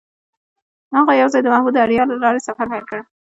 هغوی یوځای د محبوب دریا له لارې سفر پیل کړ.